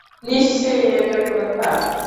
নিশ্চয়ই এটা কোনো ফাঁদ!